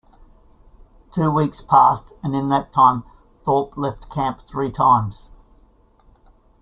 Two weeks passed, and in that time Thorpe left camp three times.